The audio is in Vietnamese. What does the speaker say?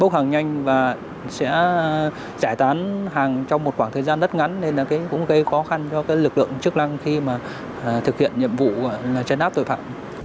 bốc hàng nhanh và sẽ giải tán hàng trong một khoảng thời gian rất ngắn nên là cái cũng gây khó khăn cho cái lực lượng chức năng khi mà thực hiện nhiệm vụ là chấn áp tội phạm